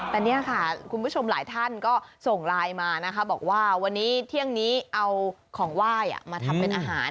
แต่นี่ค่ะคุณผู้ชมหลายท่านก็ส่งไลน์มานะคะบอกว่าวันนี้เที่ยงนี้เอาของไหว้มาทำเป็นอาหาร